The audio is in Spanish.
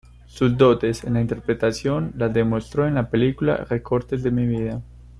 Sus dotes en la interpretación las demostró en la película "Recortes de mi vida".